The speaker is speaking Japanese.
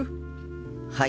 はい。